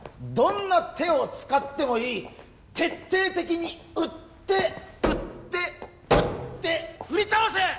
どんな手を使ってもいい徹底的に売って売って売って売り倒せ！